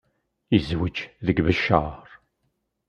Yezweǧ deg Beccaṛ.